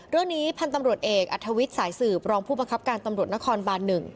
เรื่องนี้พันธุ์ตำรวจเอกอัธวิทย์สายสืบรองผู้บังคับการตำรวจนครบาน๑